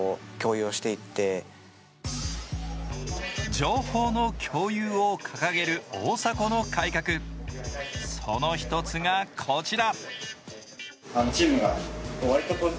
情報の共有を掲げる大迫の改革、その１つがこちら。